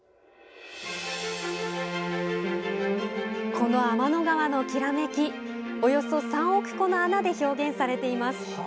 この天の川のきらめきおよそ３億個の穴で表現されています。